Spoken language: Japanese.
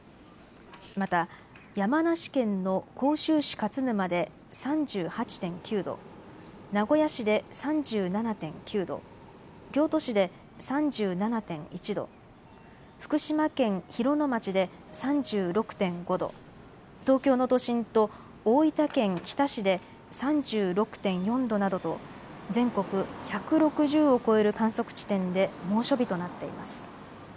また山梨県の甲州市勝沼で３８．９度、名古屋市で３７．９度、京都市で３７．１度、福島県広野町で３６．５度、東京の都心と大分県日田市で３６．４度などと全国１６０を超える観測地点で猛暑日となっています。